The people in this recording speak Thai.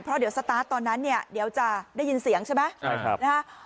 เพราะเดี๋ยวสตาร์ทตอนนั้นเนี่ยเดี๋ยวจะได้ยินเสียงใช่ไหมใช่ครับนะฮะ